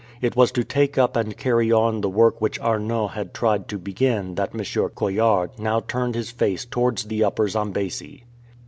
It was to take up and carry on the work which Ai'not had tried to begin that M. Coillard now turned his face towards the Upper Zambesi.